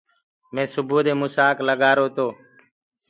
مينٚ سُبئو دي موسآگ لگآرو گو۔